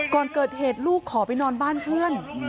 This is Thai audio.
ก่อนเกิดเหตุลูกขอไปนอนบ้านเพื่อน